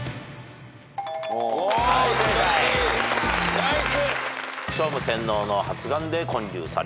ナイス！